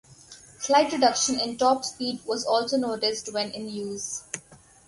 Slight reduction in top speed was also noticed when in use.